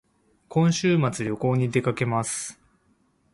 今週末旅行に出かけます